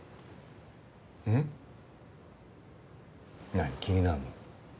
何気になんの？